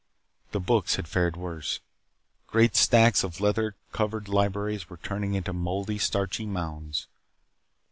The books had fared worse. Great stacks of leather covered libraries were turning into moldy, starchy mounds.